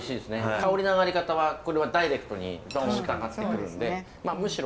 香りの上がり方はこれはダイレクトにドンと上がってくるんでまあむしろ。